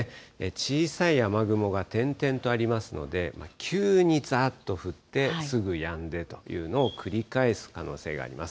小さい雨雲が点々とありますので、急にざーっと降って、すぐやんでというのを繰り返す可能性があります。